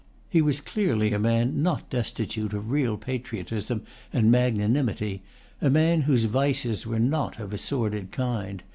He was clearly a man not destitute of real patriotism and magnanimity, a man whose vices were not of a sordid kind.